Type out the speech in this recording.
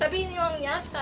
tapi ini memang nyata gitu kan